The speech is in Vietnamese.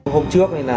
hôm trước thì là